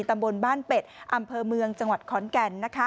ตำบลบ้านเป็ดอำเภอเมืองจังหวัดขอนแก่น